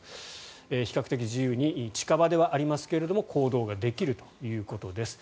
比較的自由に近場ではありますが行動できるということです。